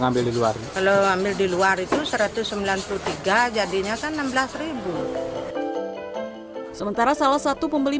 ambil di luar kalau ambil di luar itu satu ratus sembilan puluh tiga jadinya kan enam belas sementara salah satu pembeli